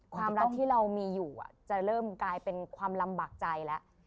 ความรักที่เรามีอยู่จะเริ่มกลายเป็นความลำบากใจแล้ว